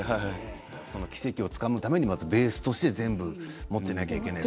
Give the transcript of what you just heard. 奇跡をつかむためにベースとして全部持っていなければいけない